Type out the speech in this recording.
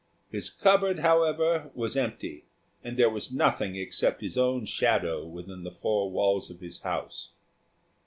His cupboard, however, was empty, and there was nothing except his own shadow within the four walls of his house.